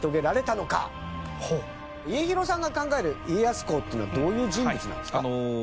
家広さんが考える家康公っていうのはどういう人物なんですか？